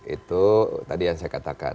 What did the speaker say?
itu tadi yang saya katakan